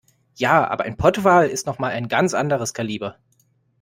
Ja, aber ein Pottwal ist noch mal ein ganz anderes Kaliber.